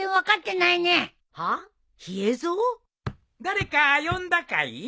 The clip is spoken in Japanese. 誰か呼んだかい？